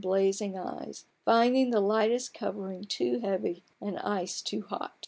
51 blazing eyes, finding the lightest covering too heavy and ice too hot.